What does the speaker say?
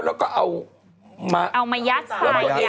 แล้วก็เอามะยัดสับ